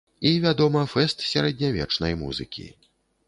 І, вядома, фэст сярэднявечнай музыкі.